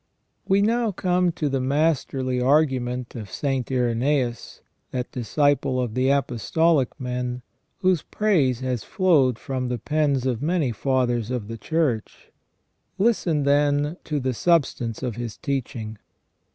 * We now come to the masterly argument of St. Irenseus, that disciple of the apostolic men, whose praise has flowed from the pens of many fathers of the Church. Listen, then, to the sub stance of his teaching.